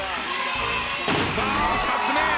さあ２つ目。